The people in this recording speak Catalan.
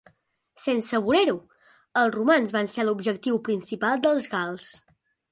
Sense voler-ho, els romans van ser l'objectiu principal dels gals.